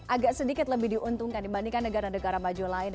agak sedikit lebih diuntungkan dibandingkan negara negara maju lain